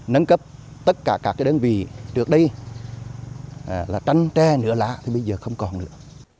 nâng cấp tất cả các đơn vị trước đây là tranh tre nữa lá thì bây giờ không còn nữa